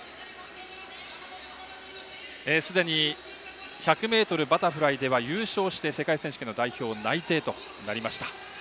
すでに１００ｍバタフライでは優勝して世界選手権代表内定となりました。